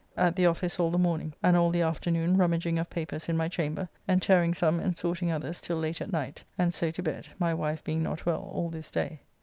At the office all the morning, and all the afternoon rummaging of papers in my chamber, and tearing some and sorting others till late at night, and so to bed, my wife being not well all this day.